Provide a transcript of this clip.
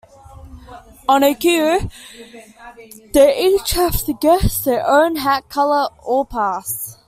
On a cue, they each have to guess their own hat color or pass.